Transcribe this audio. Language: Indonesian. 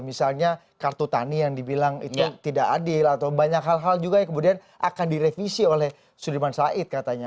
misalnya kartu tani yang dibilang itu tidak adil atau banyak hal hal juga yang kemudian akan direvisi oleh sudirman said katanya